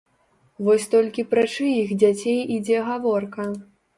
Вось толькі пра чыіх дзяцей ідзе гаворка?